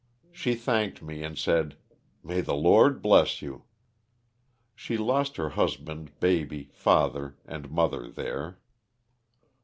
She thanked me and said, " may the Lord bless you." She lost her husband, baby, father, and mother there.